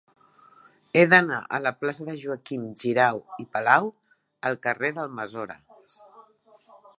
He d'anar de la plaça de Joaquim Xirau i Palau al carrer d'Almassora.